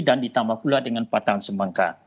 dan ditambah pula dengan patahan semangka